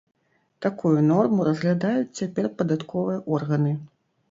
Такую норму разглядаюць цяпер падатковыя органы.